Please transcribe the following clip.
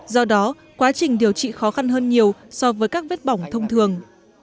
do đó quá trình điều trị khó khăn hơn nhiều so với các vết bỏng thông thường